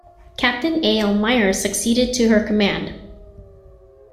Captain A. L. Myers succeeded to her command.